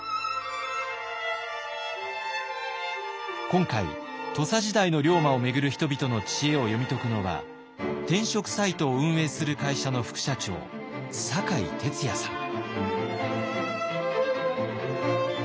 今回土佐時代の龍馬を巡る人々の知恵を読み解くのは転職サイトを運営する会社の副社長酒井哲也さん。